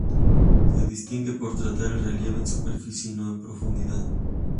Se distingue por tratar el relieve en superficie y no en profundidad.